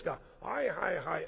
はいはいはい。